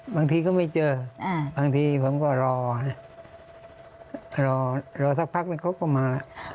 บางทีก็ไม่เจอบางทีผมก็รอสักพักนึงเขาก็มา